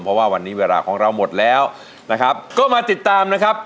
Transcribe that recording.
เพราะว่าวันนี้เวลาของเราหมดแล้วนะครับก็มาติดตามนะครับ